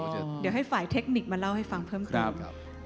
เดี๋ยวให้ฝ่ายเทคนิคมาเล่าให้ฟังเพิ่มเติม